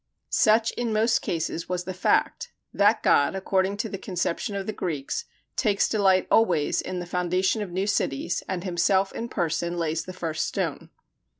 Such in most cases was the fact: that god, according to the conception of the Greeks, "takes delight always in the foundation of new cities, and himself in person lays the first stone."